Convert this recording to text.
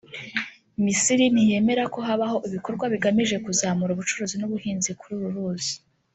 Misiri ntiyemera ko habaho ibikorwa bigamije kuzamura ubucuruzi n’ubuhinzi kuri uru ruzi